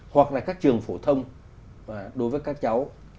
hoặc là các trường phổ thông đối với các cháu